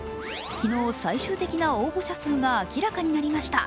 昨日最終的な応募者数が明らかになりました。